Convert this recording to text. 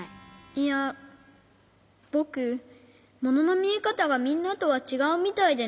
いやぼくもののみえかたがみんなとはちがうみたいでね。